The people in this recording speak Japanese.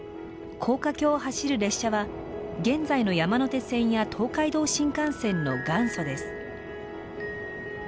高架橋を走る列車は現在の山手線や東海道新幹線の元祖です。